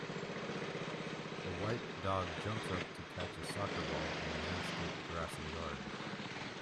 A white dog jumps up to catch a soccer ball in landscaped grassy yard.